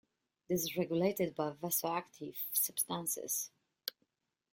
This is regulated by vasoactive substances.